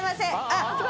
あっ！